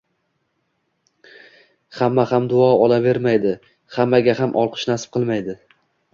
Hamma ham duo olavermaydi, hammaga ham olqish nasib qilmaydi